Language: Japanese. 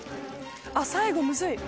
あっ最後むずい。